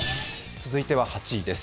続いては８位です。